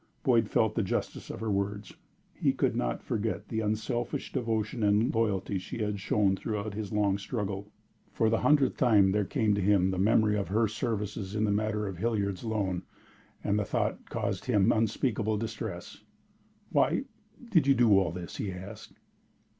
Boyd felt the justice of her words. He could not forget the unselfish devotion and loyalty she had shown throughout his long struggle. For the hundredth time there came to him the memory of her services in the matter of Hilliard's loan, and the thought caused him unspeakable distress. "Why did you do all this?" he asked.